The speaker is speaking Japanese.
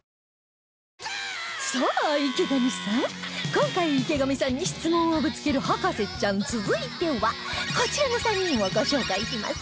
今回池上さんに質問をぶつける博士ちゃん続いてはこちらの３人をご紹介しますよ